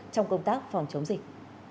trong công tác phòng chống dịch